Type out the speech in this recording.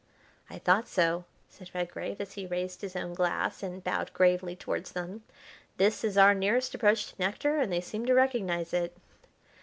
"I thought so," said Redgrave, as he raised his own glass, and bowed gravely towards them. "This is our nearest approach to nectar, and they seem to recognise it."